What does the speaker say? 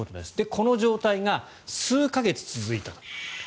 この状態が数か月続いたと。